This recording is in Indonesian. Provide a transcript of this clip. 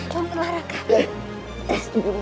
buat gua k cris itu